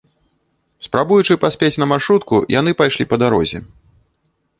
Спрабуючы паспець на маршрутку, яны пайшлі па дарозе.